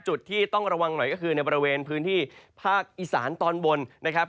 จุดที่ต้องระวังหน่อยก็คือในบริเวณพื้นที่ภาคอีสานตอนบนนะครับ